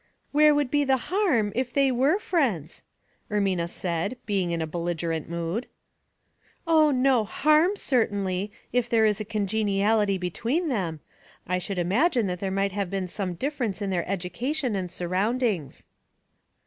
" Where would be the harm, if they were friends ?" Ermina said, being in a belligerent mood. " Oh, no harm^ certainly, if there is a congen iality between them I should imagine that there might have been some difference in their education and surroundings."